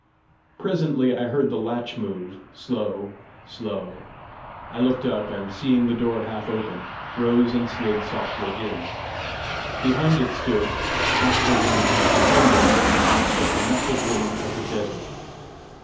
Presently I heard the latch move, slow, slow: I looked up, and seeing the door half open, rose and slid softly in. Behind it stood, not the woman I had befriended, but the muffled woman of the desert.